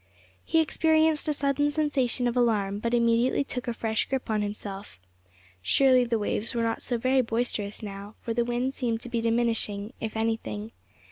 He experienced a sudden sensation of alarm, but immediately took a fresh grip on himself. Surely the waves were not so very boisterous now, for the wind seemed to be diminishing, if anything.